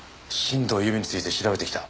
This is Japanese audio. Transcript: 新藤由美について調べてきた。